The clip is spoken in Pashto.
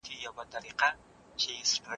انسانان ګډ ژوند خوښوي.